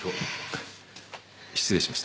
失礼しました。